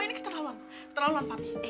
ini keterlaluan keterlaluan papi